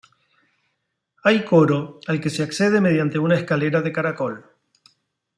Hay coro, al que se accede mediante una escalera de caracol.